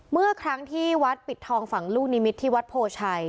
เมื่อครั้งที่วัดปิดทองฝั่งลูกนิมิตรที่วัดโพชัย